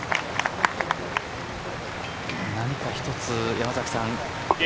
何か１つ山崎さん